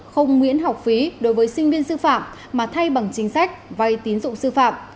không miễn học phí đối với sinh viên sư phạm mà thay bằng chính sách vay tín dụng sư phạm